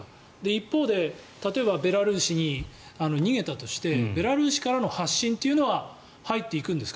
一方で例えばベラルーシに逃げたとしてベラルーシからの発信というのは入っていくんですか。